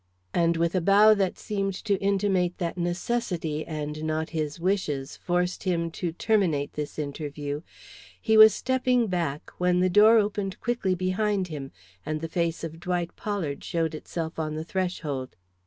And with a bow that seemed to intimate that necessity, and not his wishes, forced him to terminate this interview, he was stepping back, when the door opened quickly behind him, and the face of Dwight Pollard showed itself on the threshold.